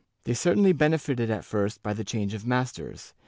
They certainly benefited at first by the change of masters.